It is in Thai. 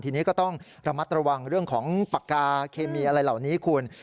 ทีนี้ก็ต้องระมัดระวังเรื่องของปากกาเคมีอะไรเหล่านี้คุณ